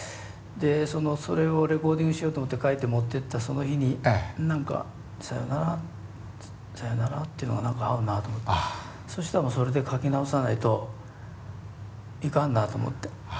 でそのそれをレコーディングしようと思って書いて持ってったその日に何か「さよならさよなら」っていうのが何か合うなと思ってそしたらそれで書き直さないといかんなと思って。